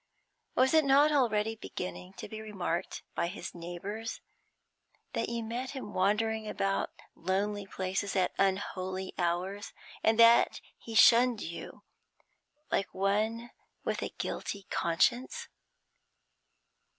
Was it not already beginning to be remarked by his neighbours that you met him wandering about lonely places at unholy hours, and that he shunned you, like one with a guilty conscience?